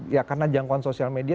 ya karena jangkauan sosial media